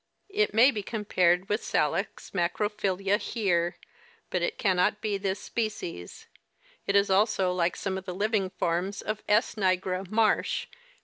It maj^ be compai ed with Sali.v macroptu/Uo, Heer,* but it cannot be this species. It is also like some of the living forms of S. nigra, Marsh.